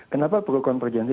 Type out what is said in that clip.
kenapa perlu konfergensi